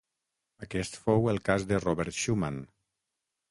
Aquest fou el cas de Robert Schumann.